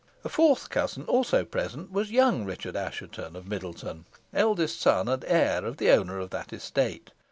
A fourth cousin, also present, was young Richard Assheton of Middleton, eldest son and heir of the owner of that estate.